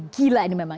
gila ini memang